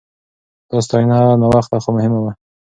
دا ستاينه ناوخته خو مهمه وه.